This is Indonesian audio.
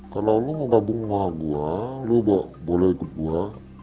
kalau lo mau gabung sama gue lo boleh ikut gue